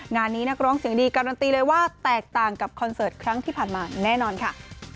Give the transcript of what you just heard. งานนี้นักร้องเสียงดีการันตีเลยว่าแตกต่างกับคอนเสิร์ตครั้งที่ผ่านมาแน่นอนค่ะ